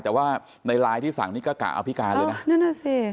แต่ว่าในไลน์ที่สั่งนี่ก็กะเอาพิการเลยนะ